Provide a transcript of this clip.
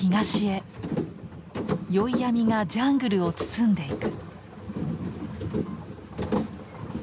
宵闇がジャングルを包んでいく。